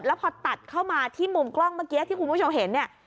แล้วพอตัดเข้ามาที่มุมกล้องเมื่อกี้ที่คุณผู้ชมเห็นเนี่ย